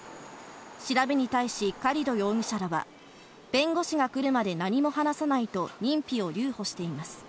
調べに対し、カリド容疑者らは、弁護士が来るまで何も話さないと認否を留保しています。